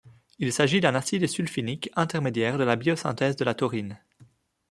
Il s'agit d'un acide sulfinique intermédiaire de la biosynthèse de la taurine.